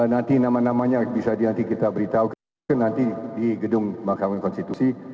nanti nama namanya bisa nanti kita beritahukan nanti di gedung mahkamah konstitusi